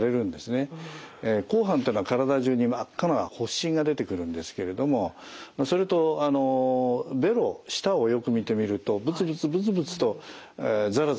紅斑っていうのは体じゅうに真っ赤な発疹が出てくるんですけれどもそれとベロ舌をよく見てみるとブツブツブツブツとざらざらして何か苺みたいな。